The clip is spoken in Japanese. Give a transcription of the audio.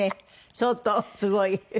相当すごい。